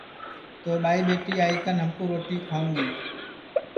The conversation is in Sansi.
تو ٻائی ٻیٹی آئی کن ہمکُو روٹی کُھوائیو گی